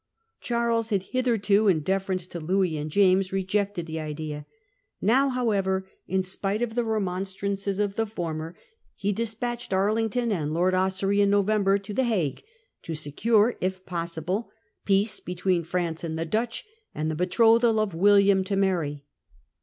Charles had hitherto, in deference to Louis and James, rejected the idea. Now however, in spite of the remonstrances of the former, he despatched Arlington and Lord Ossory in November to the Hague, to secure, if possible, peace between France and the Dutch, and the betrothal of William to Mary.